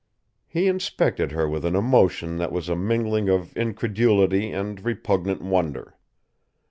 He inspected her with an emotion that was a mingling of incredulity and repugnant wonder.